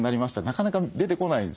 なかなか出てこないですよね。